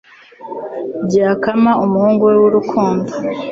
Byakama, umuhungu wese wurukundo